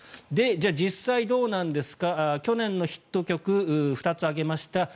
じゃあ実際、どうなんですか去年のヒット曲を２つ挙げました。